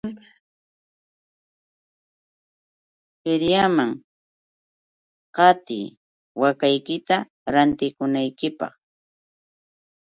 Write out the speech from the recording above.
Feriaman qatiy waakaykita rantikunaykipaq.